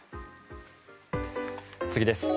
次です。